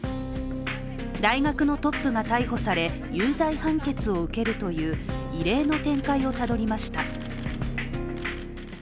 大学のトップが逮捕され、有罪判決を受けるという異例の展開をたどりました。